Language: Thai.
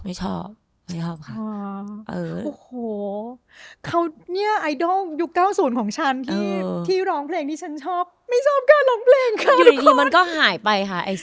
ไม่ชอบไม่ชอบค่ะ